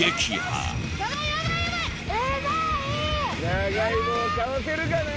長い棒倒せるかな？